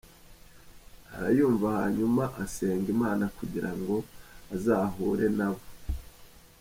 arayumva hanyuma asenga Imana kugira ngo azahuze na bo.